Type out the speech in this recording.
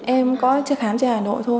em có chức khám trên hà nội thôi